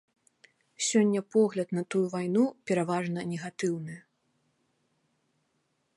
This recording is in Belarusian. Сёння погляд на тую вайну пераважна негатыўны.